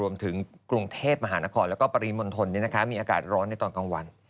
มีอากาศร้อนในตอนกลางวัน